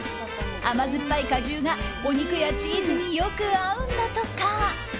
甘酸っぱい果汁がお肉やチーズによく合うんだとか。